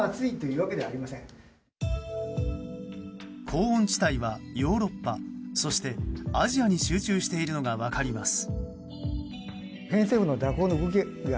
高温地帯はヨーロッパそしてアジアに集中しているのが分かります。